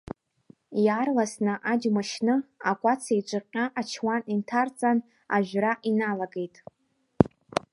Иаарласны, аџьма шьны, акәац, еиҿыҟьҟьа ачуан инҭарҵан, ажәра иналагеит.